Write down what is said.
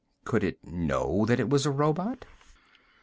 Could it know that it was a robot?